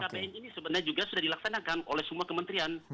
apm ini sebenarnya juga sudah dilaksanakan oleh semua kementerian